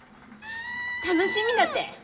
楽しみだて！